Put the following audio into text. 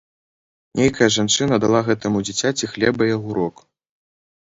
Нейкая жанчына дала гэтаму дзіцяці хлеба і агурок.